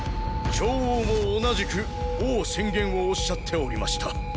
趙王も同じく“王宣言”をおっしゃっておりました。